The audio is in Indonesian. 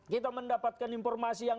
kita mendapatkan informasi yang